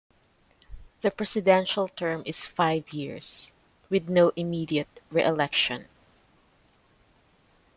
The presidential term is five years, with no immediate reelection.